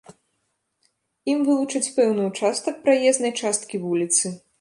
Ім вылучаць пэўны ўчастак праезнай часткі вуліцы.